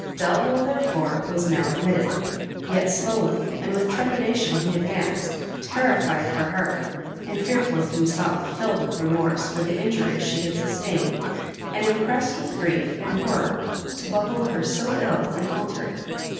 Delvile, therefore, was now admitted; yet slowly and with trepidation he advanced, terrified for her, and fearful of himself, filled with remorse for the injuries she had sustained, and impressed with grief and horror to behold her so ill and altered.